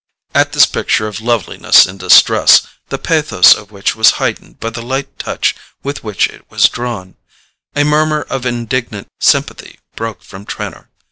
At this picture of loveliness in distress, the pathos of which was heightened by the light touch with which it was drawn, a murmur of indignant sympathy broke from Trenor.